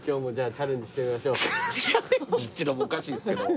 チャレンジっていうのもおかしいですけど。